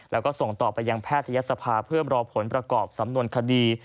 แล้วก็ส่งต่อไปยังแพทยศภาเพื่อรอผลประกอบสำนวนคดี